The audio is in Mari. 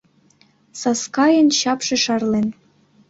Саскайын чапше шарлен;